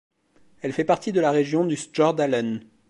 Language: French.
Elle fait partie de la région du Stjørdalen.